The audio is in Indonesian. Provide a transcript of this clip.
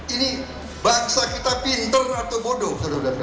ini bangsa kita pinter atau bodoh